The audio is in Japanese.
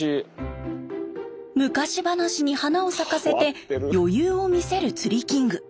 昔話に花を咲かせて余裕を見せる釣りキング。